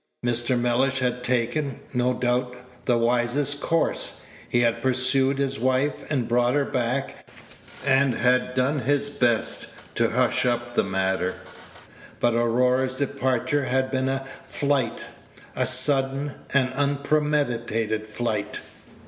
Page 170 Mr. Mellish had taken, no doubt, the wisest course; he had pursued his wife, and brought her back, and had done his best to hush up the matter; but Aurora's departure had been a flight a sudden and unpremeditated flight.